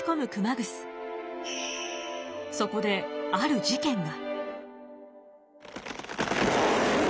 そこである事件が。